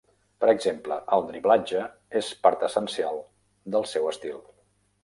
Per exemple, el driblatge és part essencial del seu estil.